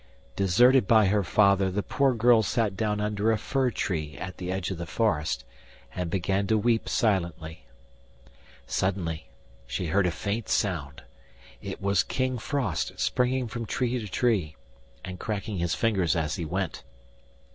Deserted by her father, the poor girl sat down under a fir tree at the edge of the forest and began to weep silently. Suddenly she heard a faint sound: it was King Frost springing from tree to tree, and cracking his fingers as he went.